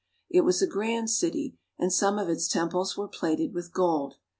It was a grand city, and some of its temples were plated with gold.